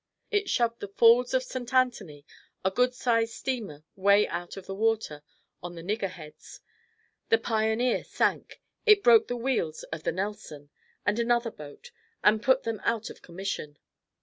It shoved the "Falls of St. Anthony" a good sized steamer way out of the water on the niggerheads. The "Pioneer" sank. It broke the wheels of the "Nelson" and another boat and put them out of commission.